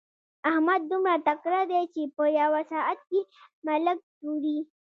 احمد دومره تکړه دی چې په يوه ساعت کې ملک توري.